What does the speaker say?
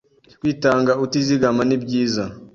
Kwitanga utizigama ni byiza